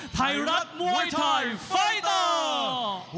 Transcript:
ไทยรัฐมวยไทยไฟเตอร์